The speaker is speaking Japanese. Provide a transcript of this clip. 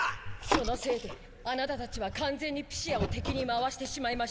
そのせいでアナタたちは完全にピシアを敵に回してしまいました。